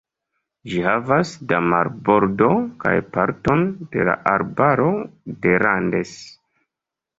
Ĝi havas da marbordo kaj parton de la arbaro de Landes.